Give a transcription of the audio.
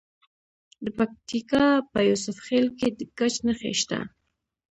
د پکتیکا په یوسف خیل کې د ګچ نښې شته.